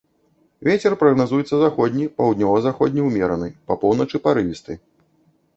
Вецер прагназуецца заходні, паўднёва-заходні ўмераны, па поўначы парывісты.